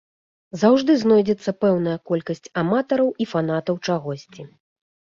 Заўжды знойдзецца пэўная колькасць аматараў і фанатаў чагосьці.